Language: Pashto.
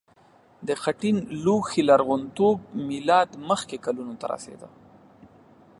د خټین لوښي لرغونتوب میلاد مخکې کلونو ته رسیده.